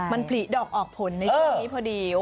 มันผลิดอกออกผลในช่วงนี้พอดี